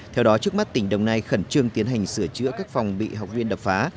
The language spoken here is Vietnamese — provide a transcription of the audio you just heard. theo đó trước mắt tỉnh đồng nai khẩn trương tiến hành sửa chữa các phòng bị học viên đập phá